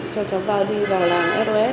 cho cháu vào đi vào làng sos